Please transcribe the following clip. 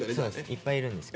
いっぱいいるんです。